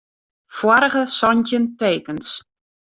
Foarige santjin tekens.